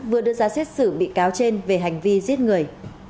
trong thành phố đà nẵng vừa đưa ra xét xử bị cáo trên về hành vi giết người